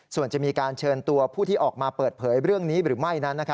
ส่วนจะมีการเชิญตัวผู้ที่ออกมาเปิดเผยเรื่องนี้หรือไม่นั้น